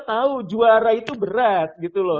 tahu juara itu berat gitu loh